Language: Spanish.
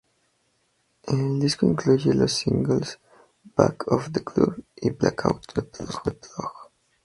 El disco incluye los singles "Back Of The Club" y "Blackout" con Snoop Dogg.